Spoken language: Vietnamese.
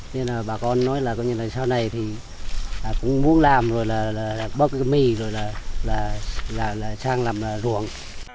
nên là bà con nói là sau này thì cũng muốn làm rồi là bớt cái mì rồi là trang làm ruộng